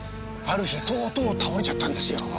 ある日とうとう倒れちゃったんですよ。